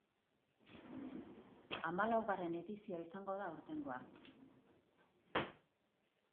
Hamalaugarren edizioa izango da aurtengoa.